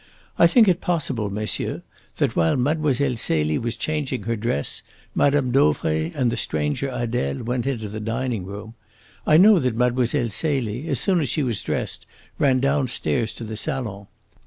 I think it possible, messieurs, that while Mlle. Celie was changing her dress Mme. Dauvray and the stranger, Adele, went into the dining room. I know that Mlle. Celie, as soon as she was dressed, ran downstairs to the salon.